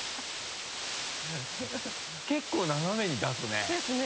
結構斜めに出すね。ですね